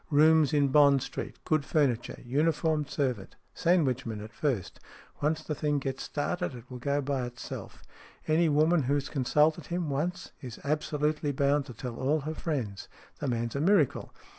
" Rooms in Bond Street. Good furniture. Uniformed servant. Sandwichmen at first. Once the thing gets started, it will go by itself. Any woman who has consulted him once is absolutely bound to tell all her friends. The man's a miracle.